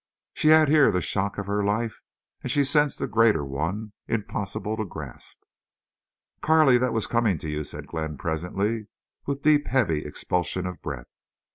She had here the shock of her life, and she sensed a greater one, impossible to grasp. "Carley, that was coming to you," said Glenn, presently, with deep, heavy expulsion of breath.